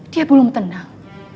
dia belum tenang